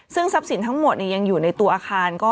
ซึ่งทรัพย์สินทั้งหมดยังอยู่ในตัวอาคาร